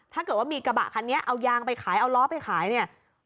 ถ้าเกิดว่ามีกระบะคันนี้เอายางไปขายเอาล้อไปขายเนี่ย